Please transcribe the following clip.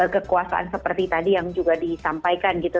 kekuasaan seperti tadi yang juga disampaikan gitu